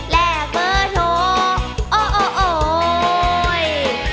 แหลกเบอร์โทรโอ้โอ้โอ้ย